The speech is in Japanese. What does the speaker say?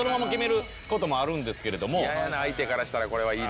嫌やな相手からしたらこれはいいね。